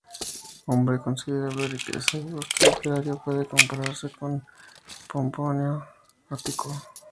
Hombre de considerable riqueza y gusto literario, puede compararse con Pomponio Ático.